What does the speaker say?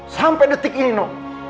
sampai detik ini no